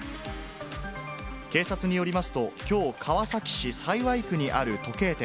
警察によりますと、きょう、川崎市幸区にある時計店、